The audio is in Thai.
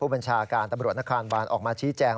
บัญชาการตำรวจนครบานออกมาชี้แจง